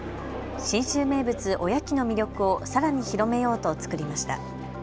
信州名物、おやきの魅力をさらに広めようと作りました。